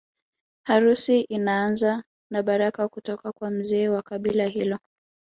Harusi inaanza na baraka kutoka kwa mzee wa kabila hilo